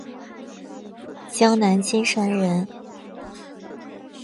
江南金山人。